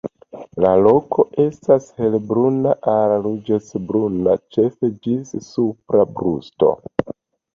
La kolo estas helbruna al ruĝecbruna ĉefe ĝis supra brusto.